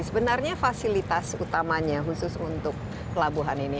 sebenarnya fasilitas utamanya khusus untuk pelabuhan ini